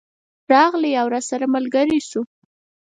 راغلی او راسره ملګری شو.